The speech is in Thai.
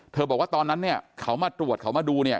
บอกว่าตอนนั้นเนี่ยเขามาตรวจเขามาดูเนี่ย